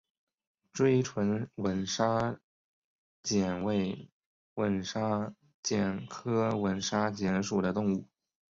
锥唇吻沙蚕为吻沙蚕科吻沙蚕属的动物。